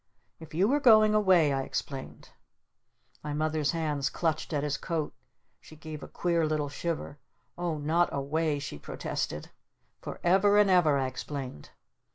"If you were going away," I explained. My Mother's hands clutched at his coat. She gave a queer little shiver. "Oh not 'away'!" she protested. "For ever and ever," I explained.